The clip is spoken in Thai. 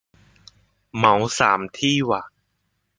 เหมาสามที่ว่ะ